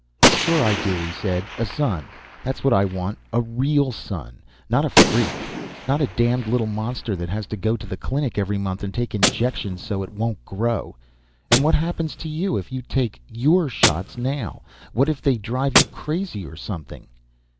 "Sure I do," he said. "A son. That's what I want. A real son. Not a freak. Not a damned little monster that has to go to the Clinic every month and take injections so it won't grow. And what happens to you if you take your shots now? What if they drive you crazy or something?"